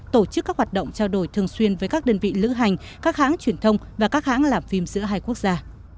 tổ chức các hoạt động trao đổi thường xuyên với các đơn vị lữ hành các hãng truyền thông và các hãng làm phim giữa hai quốc gia